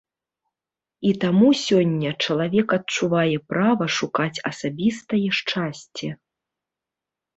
І таму сёння чалавек адчувае права шукаць асабістае шчасце.